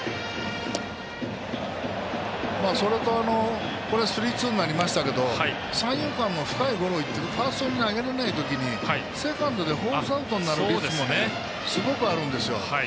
それとスリーツーになりましたけど三遊間の深いボールをファーストに投げれない時にセカンドでフォースアウトになる率もすごくあるんですよ。